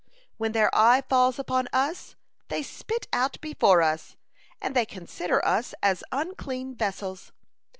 When their eye falls upon us, they spit out before us, and they consider us as unclean vessels.